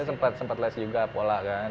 saya sempat les juga pola kan